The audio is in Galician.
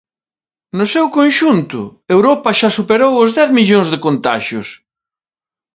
No seu conxunto, Europa xa superou os dez millóns de contaxios.